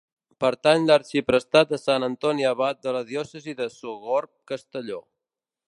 Pertany l'arxiprestat de Sant Antoni Abat de la Diòcesi de Sogorb-Castelló.